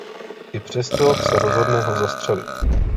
I přesto se rozhodne ho zastřelit.